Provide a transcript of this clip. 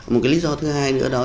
một cái lý do thứ hai nữa đó